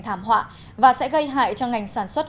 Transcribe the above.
thảm họa và sẽ gây hại cho ngành sản xuất